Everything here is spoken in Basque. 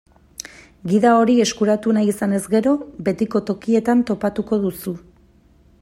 Gida hori eskuratu nahi izanez gero, betiko tokietan topatuko duzu.